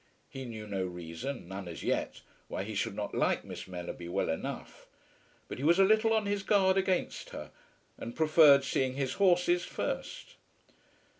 He knew no reason, none as yet, why he should not like Miss Mellerby well enough. But he was a little on his guard against her, and preferred seeing his horses first.